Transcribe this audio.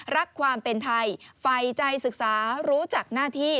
รักความเป็นไทยไฟใจศึกษารู้จักหน้าที่